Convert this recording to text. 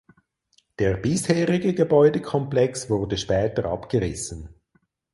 Der bisherige Gebäudekomplex wurde später abgerissen.